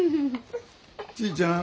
ちぃちゃん